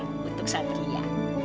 siapkan untuk satria